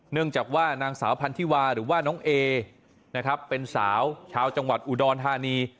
เนื่องจากว่านางสาวพันธิวาหรือว่าน้องเอนะครับเป็นสาวชาวจังหวัดอุดรธานี